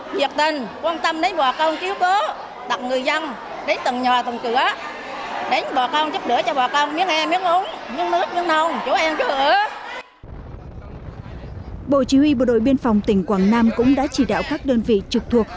bộ chỉ huy bộ đội biên phòng tỉnh quảng nam cũng đã chỉ đạo các đơn vị trực thuộc